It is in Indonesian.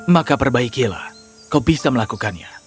maka perbaikilah kau bisa melakukannya